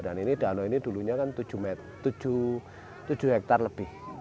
dan ini danau ini dulunya kan tujuh hektar lebih